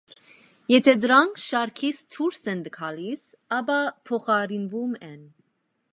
Եթե դրանք շարքից դուրս են գալիս, ապա փոխարինվում են։